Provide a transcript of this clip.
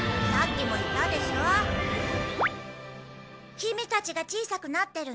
キミたちが小さくなってるの。